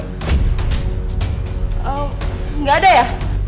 gak ada ya